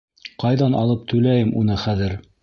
Ҡайҙан алып түләйем уны хәҙер?